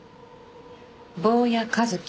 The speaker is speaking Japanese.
坊谷一樹。